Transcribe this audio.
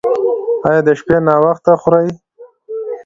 ایا د شپې ناوخته خورئ؟